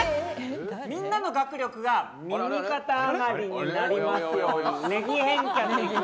みんなの学力が右肩上がりになりますように。